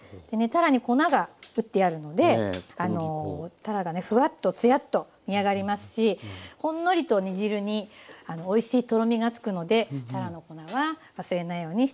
たらがねフワッとツヤッと煮上がりますしほんのりと煮汁においしいとろみがつくのでたらの粉は忘れないようにして下さい。